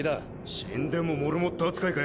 死んでもモルモット扱いかよ。